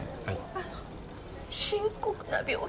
あの深刻な病気なの？